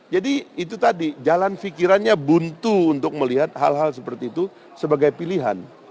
jadi itu tadi jalan fikirannya buntu untuk melihat hal hal seperti itu sebagai pilihan